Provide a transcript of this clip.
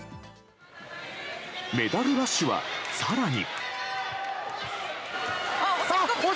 メダルラッシュは、更に。